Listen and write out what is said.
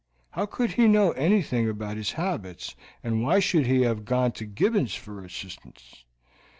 How could he know anything about his habits, and why should he have gone to Gibbons for assistance?